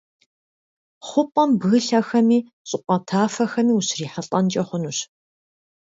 ХъупӀэм бгылъэхэми щӀыпӀэ тафэхэми ущрихьэлӀэнкӀэ хъунущ.